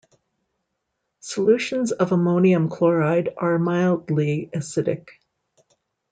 Solutions of ammonium chloride are mildly acidic.